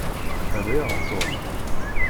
Riɣ Tom.